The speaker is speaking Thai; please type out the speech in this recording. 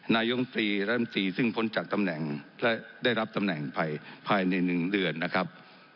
นายมตรีรัฐมนตรีซึ่งพ้นจากตำแหน่งและได้รับตำแหน่งภายใน๑เดือนนะครับ